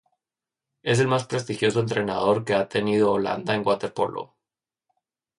Es el más prestigioso entrenador que ha tenido Holanda en waterpolo.